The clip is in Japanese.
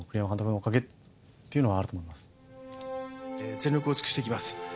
全力を尽くして行きます。